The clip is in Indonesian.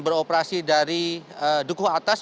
beroperasi dari dukuh atas